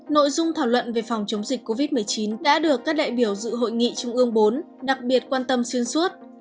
nội dung thảo luận về phòng chống dịch covid một mươi chín đã được các đại biểu dự hội nghị trung ương bốn đặc biệt quan tâm xuyên suốt